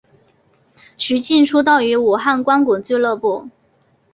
徐擎出道于武汉光谷俱乐部。